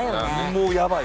もうやばい。